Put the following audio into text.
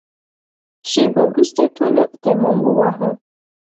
شېبه وروسته ټولو تيمم وواهه.